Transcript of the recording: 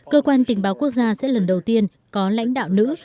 cơ quan tình báo quốc gia sẽ lần đầu tiên có lãnh đạo nữ